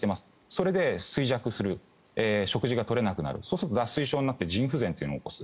それで衰弱する食事がとれなくなるそうすると脱水症になって腎不全というのを起こす。